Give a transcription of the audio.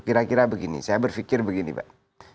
kira kira begini saya berpikir begini mbak